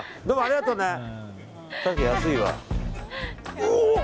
どうもありがとね。